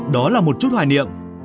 đó là một chút hoài niệm